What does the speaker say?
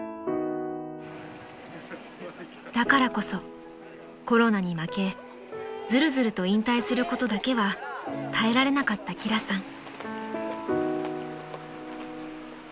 ［だからこそコロナに負けずるずると引退することだけは耐えられなかった輝さん］